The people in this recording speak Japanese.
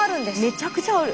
めちゃくちゃある。